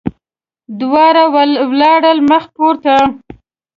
دوی ولاړل مخ پورته.